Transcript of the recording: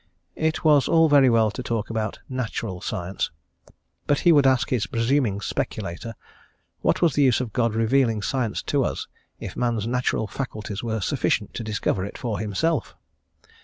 It was all very well to talk about natural science; but he would ask this presuming speculator, what was the use of God revealing science to us if man's natural faculties were sufficient to discover it for himself?